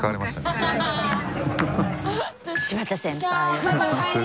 柴田先輩を。